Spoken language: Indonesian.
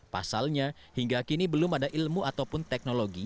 pasalnya hingga kini belum ada ilmu ataupun teknologi